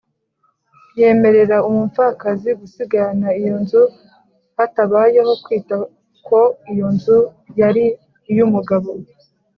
yemerera umupfakazi gusigarana iyo nzu, hatabayeho kwita ko iyo nzu yari iy’umugabo